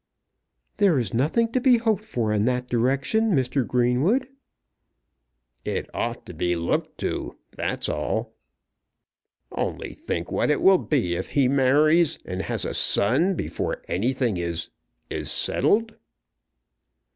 "There is nothing to be hoped for in that direction, Mr. Greenwood." "It ought to be looked to; that's all. Only think what it will be if he marries, and has a son before anything is is settled."